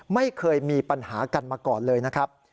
ไม่เคยมีปัญหากันมาก่อนเลยนะครับ